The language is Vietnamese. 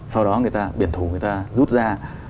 sau đó người ta biển thủ người ta rút ra